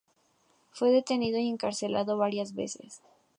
Fue detenido y encarcelado varias veces.